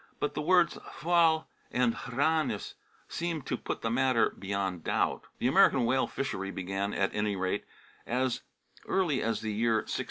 But the words " hwael " and " hranes " seem to put the matter beyond a doubt. The American whale fishery began at any rate as early as the year 1614.